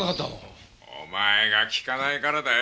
お前が聞かないからだよ。